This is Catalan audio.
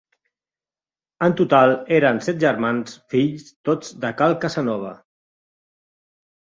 En total eren set germans fills tots de cal Casanova.